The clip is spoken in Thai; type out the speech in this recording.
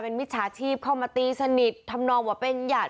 มิจฉาชีพเข้ามาตีสนิททำนองว่าเป็นหยาด